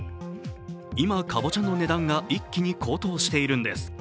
今、かぼちゃの値段が一気に高騰しているんです。